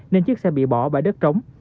nên chiếc xe bị bỏ bãi đất trống